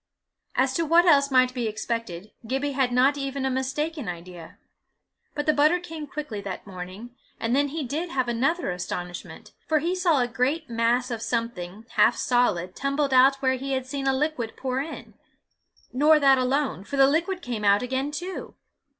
As to what else might be expected, Gibbie had not even a mistaken idea. But the butter came quickly that morning, and then he did have another astonishment, for he saw a great mass of something half solid tumbled out where he had seen a liquid poured in nor that alone, for the liquid came out again too!